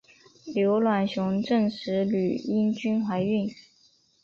刘銮雄证实吕丽君怀孕。